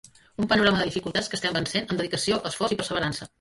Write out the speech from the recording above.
Un panorama de dificultats que estem vencent amb dedicació, esforç i perseverança.